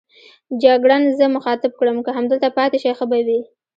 جګړن زه مخاطب کړم: که همدلته پاتې شئ ښه به وي.